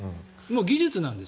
技術なんです。